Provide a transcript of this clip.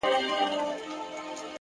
پرمختګ دوامداره حرکت غواړي.